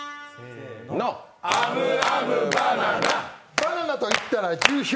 バナナといったら樹氷。